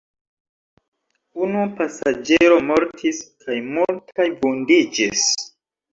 Unu pasaĝero mortis kaj multaj vundiĝis.